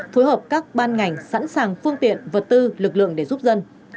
phối hợp các ban ngành sẵn sàng phương tiện vật tư lực lượng để giúp dân